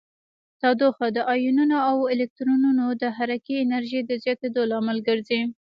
تودوخه د ایونونو او الکترونونو د حرکې انرژي د زیاتیدو لامل ګرځي.